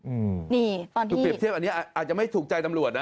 อืมนี่คือเปรียบเทียบอันนี้อาจจะไม่ถูกใจตำรวจนะ